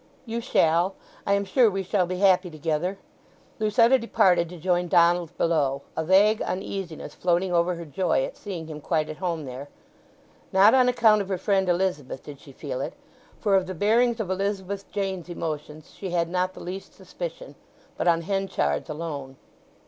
"You shall. I am sure we shall be happy together." Lucetta departed to join Donald below, a vague uneasiness floating over her joy at seeing him quite at home there. Not on account of her friend Elizabeth did she feel it: for of the bearings of Elizabeth Jane's emotions she had not the least suspicion; but on Henchard's alone.